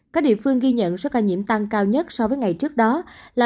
các địa phương ghi nhận số ca nhiễm tăng cao nhất so với ngày trước đó là